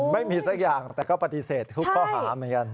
ไม่มีสักอย่างแต่ก็ปฏิเสธทุกข้อหาเหมือนกัน